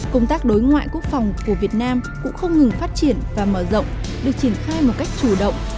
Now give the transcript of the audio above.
công tác đối ngoại quốc phòng của việt nam cũng không ngừng phát triển và mở rộng được triển khai một cách chủ động